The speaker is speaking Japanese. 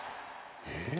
えっ？